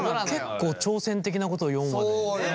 結構挑戦的なことを４話で。